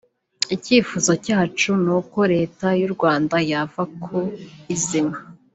Icyifuzo cyacu ni uko Leta y’u Rwanda yava ku izima